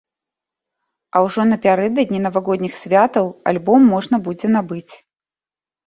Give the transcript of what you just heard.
А ужо напярэдадні навагодніх святаў альбом можна будзе набыць.